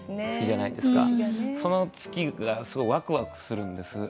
その月がすごいワクワクするんです。